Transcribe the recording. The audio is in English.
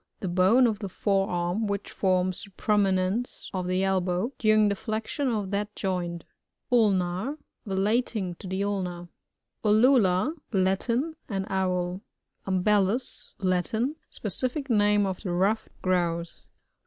— The bone of the fore arm, which forms the prominence of the elbow, during the flexion of that joint Ulnar. — ^Relating to the ulna* XJujiJLs — Latin An Owl. Um bbllus. — La< in. Specific name of the ruffed Grouse.